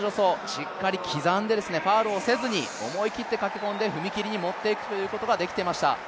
しっかり刻んでファウルをせずに、思い切って駆け込んで踏み切りに持っていくということができていました。